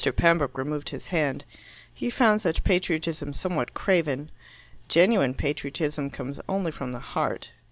Pembroke removed his hand. He found such patriotism somewhat craven. Genuine patriotism comes only from the heart.